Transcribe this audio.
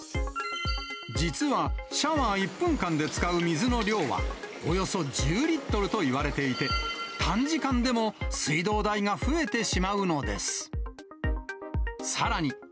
実は、シャワー１分間で使う水の量は、およそ１０リットルといわれていて、短時間でも水道代が増えてしまうのです。